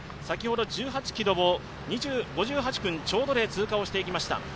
先ほど１８ｋｍを５８分ちょうどで通過していきました。